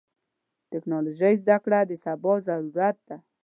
د ټکنالوژۍ زدهکړه د سبا ضرورت ده.